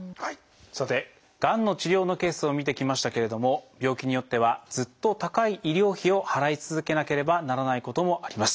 さてがんの治療のケースを見てきましたけれども病気によってはずっと高い医療費を払い続けなければならないこともあります。